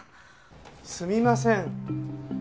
すみません。